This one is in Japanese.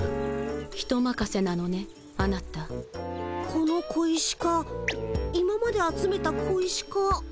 この小石か今まで集めた小石か。